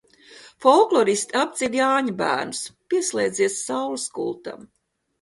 Folkloristi apdzied jāņabērnus. Pieslēdzies Saules kultam!